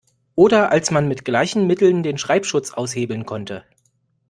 Oder als man mit gleichen Mitteln den Schreibschutz aushebeln konnte.